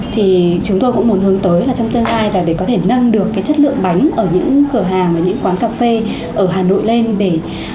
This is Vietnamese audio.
thì chúng tôi cũng muốn hướng tới là trong tương lai là để có thể nâng được cái chất lượng bánh ở những cửa hàng và những quán cà phê ở hà nội lên để